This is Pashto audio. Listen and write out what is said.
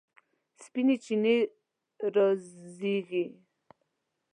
سپینې چینې رازیږي